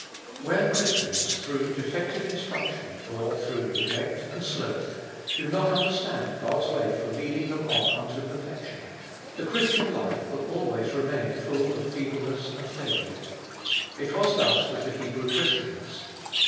Where Christians, through defective instruction, or through neglect and sloth, do not understand God's way for leading them on unto perfection, the Christian life will always remain full of feebleness and failure. It was thus with the Hebrew Christians.